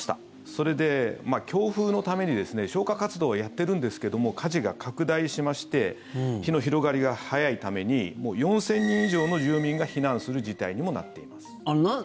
それで、強風のために消火活動はやってるんですけども火事が拡大しまして火の広がりが速いために４０００人以上の住民が避難する事態にもなっています。